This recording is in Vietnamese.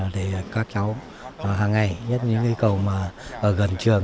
để các cháu hàng ngày nhất những cây cầu mà ở gần trường